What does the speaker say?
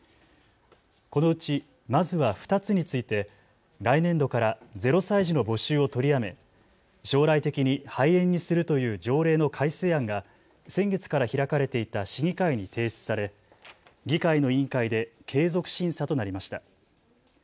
このうち、まずは２つについて来年度から０歳児の募集を取りやめ将来的に廃園にするという条例の改正案が先月から開かれていた市議会に提出され議会の委員会で継続審査となりました。